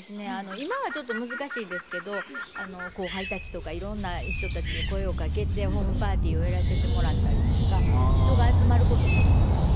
今はちょっと難しいですけど後輩たちとかいろんな人たちに声をかけてホームパーティーをやらせてもらったりとか人が集まること好きなんですよ。